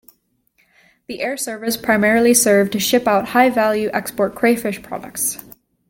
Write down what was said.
The air service primarily served to ship out high-value export crayfish products.